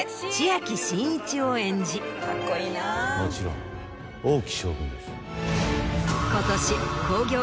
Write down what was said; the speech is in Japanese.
もちろん王騎将軍です。